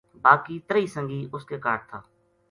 باقی تریہی سنگی اس کے کاہڈ تھا